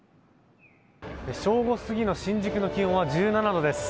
正午過ぎの新宿の気温は１７度です。